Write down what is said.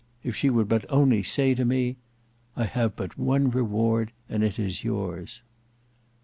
—if she would but only say to me, 'I have but one reward, and it is yours.